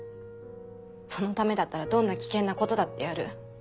そのためだったらどんな危険なことだってやる。